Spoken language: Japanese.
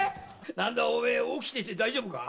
何だおめえ起きていて大丈夫か？